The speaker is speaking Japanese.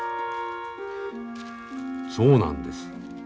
そうなんです。